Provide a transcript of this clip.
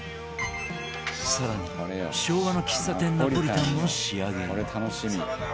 さらに昭和の喫茶店ナポリタンの仕上げへ